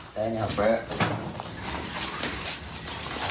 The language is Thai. แสงแหละ